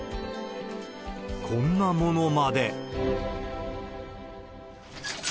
こんなものまで。